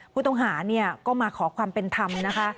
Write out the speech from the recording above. ผู้ต้องหาเนี่ยก็มาขอความเป็นธรรมนะคะ